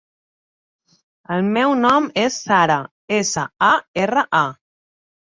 El meu nom és Sara: essa, a, erra, a.